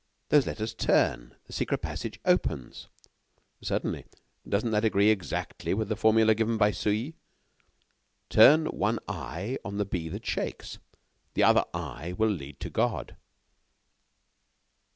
those letters turn.... the secret passage opens...." "Certainly. Doesn't that agree exactly with the formula given by Sully? Turn one eye on the bee that shakes, the other eye will lead to God."